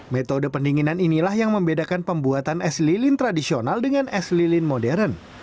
metode pendinginan inilah yang membedakan pembuatan es lilin tradisional dengan es lilin modern